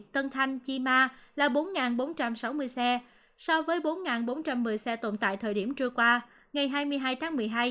tân thanh chi ma là bốn bốn trăm sáu mươi xe so với bốn bốn trăm một mươi xe tồn tại thời điểm trưa qua ngày hai mươi hai tháng một mươi hai